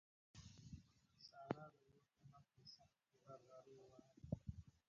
سارا د اور په مرګ کې سختې غرغړې ووهلې.